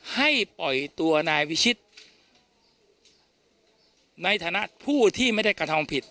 ให้ปล่อยตัวนายวิชิตในฐานะผู้ที่ไม่ได้กระทำผิด